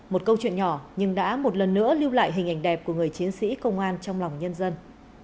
một câu chuyện nhỏ nhưng đã một lần nữa lưu lại hình ảnh đẹp của người chiến sĩ công an trong lòng nhân dân